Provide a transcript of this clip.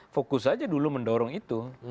fokus aja dulu mendorong itu